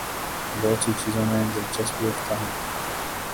بہت سی چیزوں میں دلچسپی رکھتا ہوں